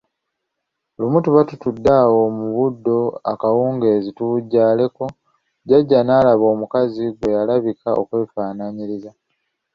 Lumu tuba tutudde awo mu buddo akawungeezi tuwujjaaleko, Jjajja n'alaba omukazi gwe yalabika okwefaananyiriza.